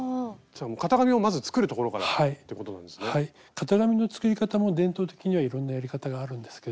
型紙の作り方も伝統的にはいろんなやり方があるんですけど